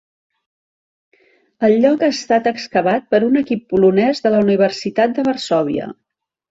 El lloc ha estat excavat per un equip polonès de la Universitat de Varsòvia.